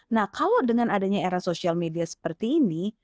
nah kalau dengan adanya era sosial media seperti ini